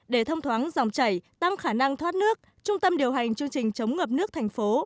để thông thoáng dòng chảy tăng khả năng thoát nước trung tâm điều hành chương trình chống ngập nước thành phố